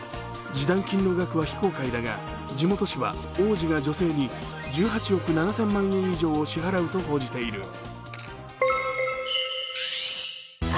示談金の額は非公開だが地元紙は、王子が女性に１８億７０００万円以上を支払うと報じている。